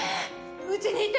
うちにいて。